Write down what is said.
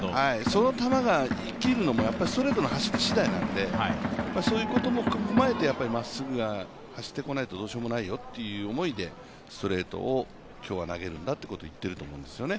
その球が生きるのもストレートの走りしだいなんでそういうことも踏まえてまっすぐが走ってこないとどうしようもないよという思いでストレートを今日は投げるんだということを言っていると思うんですよね。